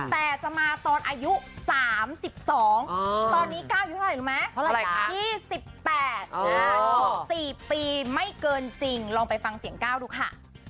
เท่าไรคะที่สิบแปดอ๋อสี่ปีไม่เกินจริงลองไปฟังเสียงก้าวดูค่ะ